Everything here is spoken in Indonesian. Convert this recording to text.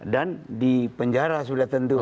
dan di penjara sudah tentu